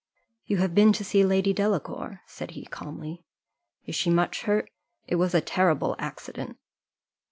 "You have been to see Lady Delacour," said he, calmly: "is she much hurt? It was a terrible accident."